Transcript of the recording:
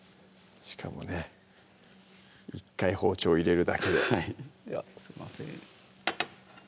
しかもね１回包丁入れるだけではいではすいません